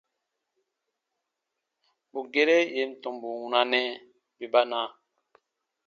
Bù gere yè n tɔmbu wunanɛ, bè ba na.